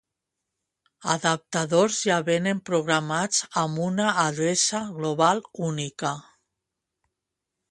Adaptadors ja vénen programats amb una adreça global única.